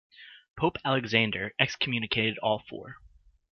Pope Alexander excommunicated all four.